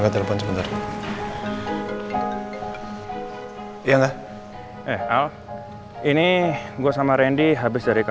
terima kasih pak